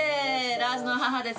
ラーズの母です。